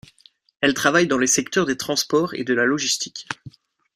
Elle travaille dans les secteurs des transports et de la logistique.